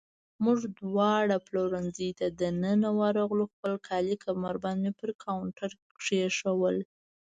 موږ دواړه پلورنځۍ ته دننه ورغلو، خپل خالي کمربند مې پر کاونټر کېښود.